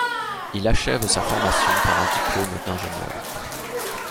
Il achève sa formation par un diplôme d’ingénieur.